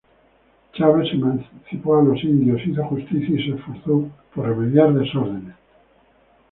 Chaves emancipó a los indios; hizo justicia, y se esforzó por remediar desórdenes.